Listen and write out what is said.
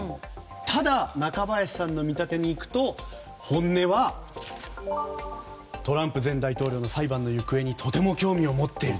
ただ、中林さんの見立てに行くと本音はトランプ前大統領の裁判の行方にとても興味を持っている。